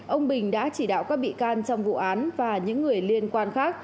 ông bình đã chỉ đạo các bị can trong vụ án và những người liên quan khác